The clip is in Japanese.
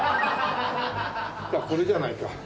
あっこれじゃないか。